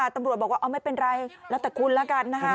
ตำรวจบอกว่าไม่เป็นไรแล้วแต่คุณแล้วกันนะคะ